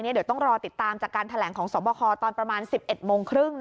เดี๋ยวต้องรอติดตามจากการแถลงของสวบคตอนประมาณ๑๑โมงครึ่ง